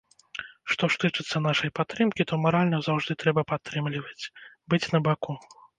Што ж тычыцца нашай падтрымкі, то маральна заўжды трэба падтрымліваць, быць на баку.